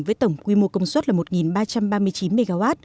với tổng quy mô công suất là một ba trăm ba mươi chín mw